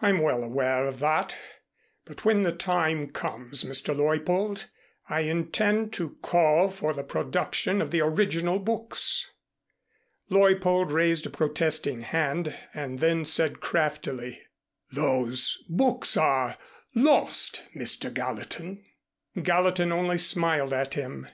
"I'm well aware of that, but when the time comes, Mr. Leuppold, I intend to call for the production of the original books." Leuppold raised a protesting hand and then said craftily: "Those books are lost, Mr. Gallatin." Gallatin only smiled at him.